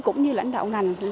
cũng như lãnh đạo ngành